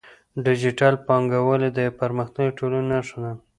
ډیجیټل بانکوالي د یوې پرمختللې ټولنې نښه ده.